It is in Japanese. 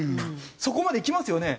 そこまでいきますよね。